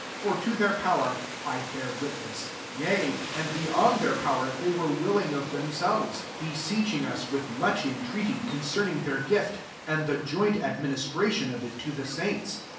3 For i their power, (1 bear witness,) ^ and beyond their power, \ey were willing of themselves; I beseeching us with much in* Ireaty, concerning their gift, and the joint administration of it to the saints.